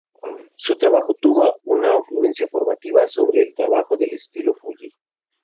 Su trabajo tuvo una influencia formativa sobre el desarrollo del estilo fuji.